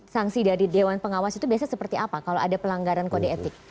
sanksi dari dewan pengawas itu biasanya seperti apa kalau ada pelanggaran kode etik